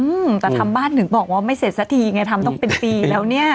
อืมแต่ทำบ้านถึงบอกว่าไม่เสร็จสักทีไงทำต้องเป็นปีแล้วเนี้ย